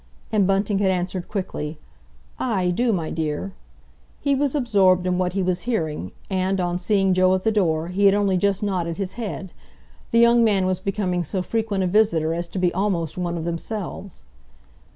And Bunting had answered quickly, "Aye, do, my dear." He was absorbed in what he was hearing, and, on seeing Joe at the door, he had only just nodded his head. The young man was becoming so frequent a visitor as to be almost one of themselves.